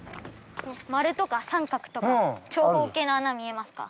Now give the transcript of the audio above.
丸とか三角とか長方形の穴見えますか？